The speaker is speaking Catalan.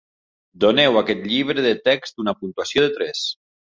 Doneu aquest llibre de text una puntuació de tres.